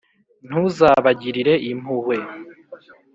ntuzabagirire impuhwe.